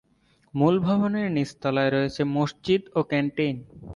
মূল ভবনের নিচতলায় রয়েছে মসজিদ ও ক্যান্টেইন।